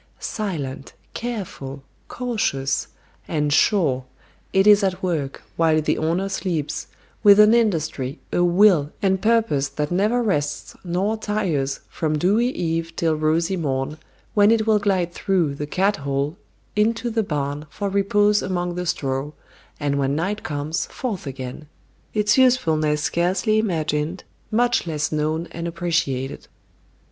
Silent, careful, cautious, and sure, it is at work, while the owner sleeps, with an industry, a will, and purpose that never rests nor tires from dewy eve till rosy morn, when it will glide through "the cat hole" into the barn for repose among the straw, and when night comes, forth again; its usefulness scarcely imagined, much less known and appreciated.